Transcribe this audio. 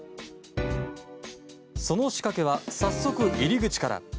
その仕掛けは、早速入り口から。